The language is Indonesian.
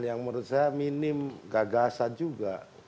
yang menurut saya minim gagasan juga